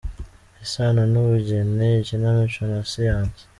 isano n’ubugeni, ikinamico na siyansi.